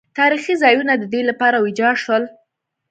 تاریخي ځایونه د دې لپاره ویجاړ شول.